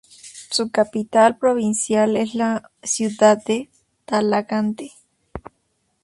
Su capital provincial es la ciudad de Talagante.